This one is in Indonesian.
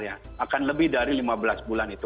akan lebih dari lima belas bulan itu